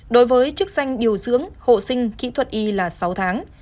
đối với chức danh điều dưỡng hộ sinh kỹ thuật y là sáu tháng